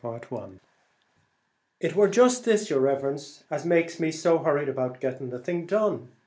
"Then it war just this, yer riverence, as makes me so hurried about getting the thing done.